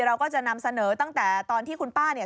เราก็จะนำเสนอตั้งแต่ตอนที่คุณป้าเนี่ย